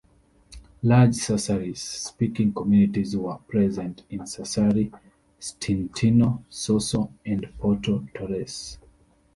Large Sassarese-speaking communities are present in Sassari, Stintino, Sorso, and Porto Torres.